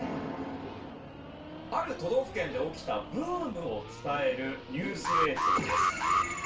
ある都道府県で起きたブームを伝えるニュース映像です。